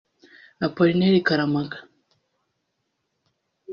Appolinaire Karamaga